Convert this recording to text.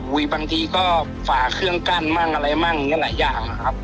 บางทีก็ฝ่าเครื่องกั้นมั่งอะไรมั่งอย่างนี้หลายอย่างนะครับ